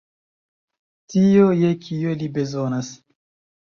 Tion, je kio li bezonas.